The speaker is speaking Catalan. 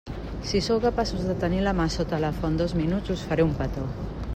Si sou capaços de tenir la mà sota la font dos minuts, us faré un petó.